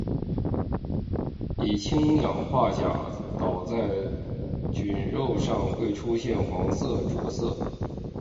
以氢氧化钾倒在菌肉上会出现黄色着色。